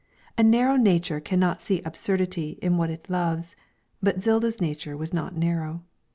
A narrow nature cannot see absurdity in what it loves, but Zilda's nature was not narrow.